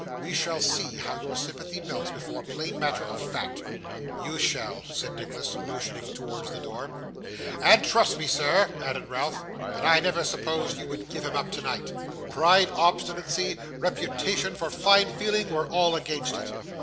We shall see how your sympathy melts before plain matter of fact.' 'You shall,' said Nicholas, motioning towards the door. 'And trust me, sir,' added Ralph, 'that I never supposed you would give him up tonight. Pride, obstinacy, reputation for fine feeling, were all against it.